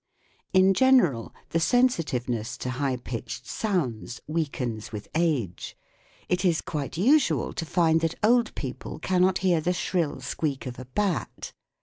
In general the sensitiveness to high pitched sounds weakens with age : it is quite usual to find that old people cannot hear the shrill squeak of a bat.